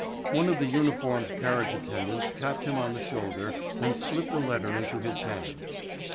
One of the uniformed carriage attendants tapped him on the shoulder and slipped a letter into his hand.